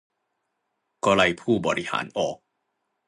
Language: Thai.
ก็ไล่ผู้บริหารออก